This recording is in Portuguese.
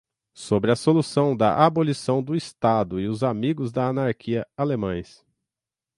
Sobre a solução da abolição do Estado e os “amigos da anarquia” alemães